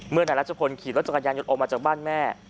นายรัชพลขี่รถจักรยานยนต์ออกมาจากบ้านแม่